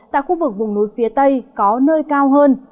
tại khu vực vùng núi phía tây có nơi cao hơn